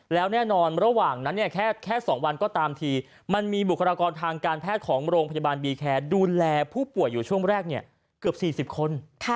แล้วแน่นอนระหว่างนั้นเนี่ยแค่๒วันก็ตามทีมันมีบุคลากรทางการแพทย์ของโรงพยาบาลบีแคร์ดูแลผู้ป่วยอยู่ช่วงแรกเกือบ๔๐คน